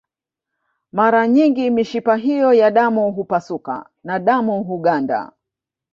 Mara nyingi mishipa hiyo ya damu hupasuka na damu huganda